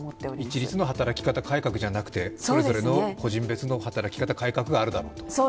一律の働き方改革じゃなくてそれぞれの個人別の働き方改革があるだろうと。